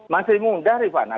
masih mudah rivana